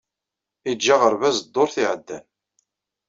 Iǧǧa aɣerbaz ddurt iɛeddan.